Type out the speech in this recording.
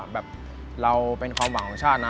แบบเราเป็นความหวังของชาตินะ